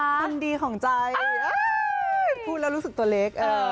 มันดีของใจพูดแล้วรู้สึกตัวเล็ก